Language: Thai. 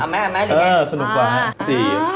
เอาไหมหรือไงอ่าาาาาาอ่าาาาาาสนุกกว่า